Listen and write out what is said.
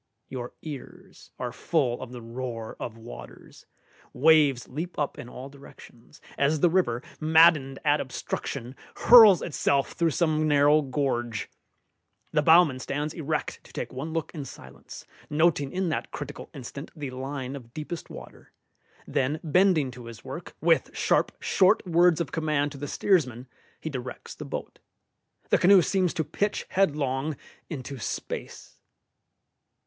Your ears are full of the roar of waters; waves leap up in all directions, as the river, maddened at obstruction, hurls itself through some narrow gorge. The bowman stands erect to take one look in silence, noting in that critical instant the line of deepest water; then bending to his work, with sharp, short words of command to the steersman, he directs the boat. The canoe seems to pitch headlong into space.